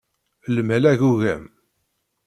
Lmal agugam!